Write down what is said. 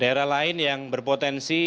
daerah lain yang berpotensi